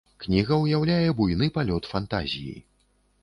Кніга ўяўляе буйны палёт фантазіі.